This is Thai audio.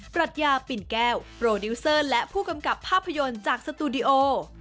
ปรัชญาปิ่นแก้วโปรดิวเซอร์และผู้กำกับภาพยนตร์จากสตูดิโอ